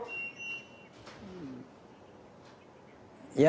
ya sangat banyak